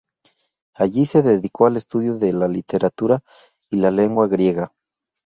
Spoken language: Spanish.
Allí, se dedicó al estudio de la literatura y la lengua griega.